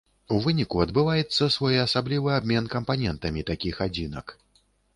У выніку адбываецца своеасаблівы абмен кампанентамі такіх адзінак.